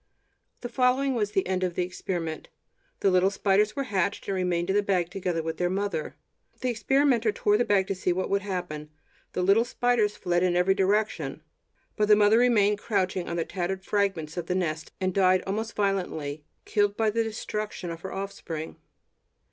The following was the end of the experiment: the little spiders were hatched, and remained in the bag together with their mother; the experimenter tore the bag to see what would happen; the little spiders fled in every direction, but the mother remained crouching on the tattered fragments of the nest, and died, almost violently, killed by the destruction of her offspring.